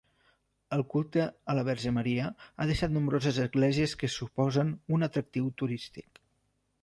El culte a la Verge Maria ha deixat nombroses esglésies que suposen un atractiu turístic.